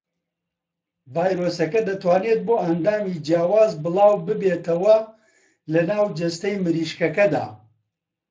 ڤایرۆسەکە دەتوانێت بۆ ئەندامی جیاواز بڵاوببێتەوە لە ناو جەستەی مریشکەکەدا.